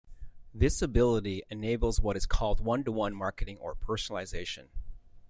This ability enables what is called one-to-one marketing or personalization.